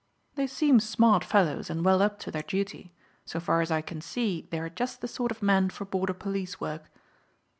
"They seem smart fellows, and well up to their duty. So far as I can see they are just the sort of men for border police work."